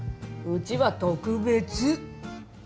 うちは特別！